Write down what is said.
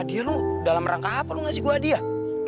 dia lu dalam rangka apa lu ngasih gue hadiah